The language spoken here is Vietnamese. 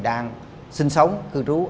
đang sinh sống cư trú